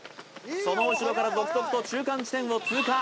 その後ろから続々と中間地点を通過